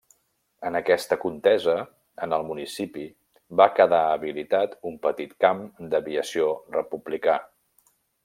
En aquesta contesa en el municipi va quedar habilitat un petit camp d'aviació republicà.